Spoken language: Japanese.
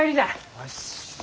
よし。